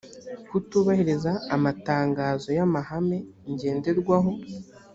kutubahiriza amatangazo y amahame ngenderwaho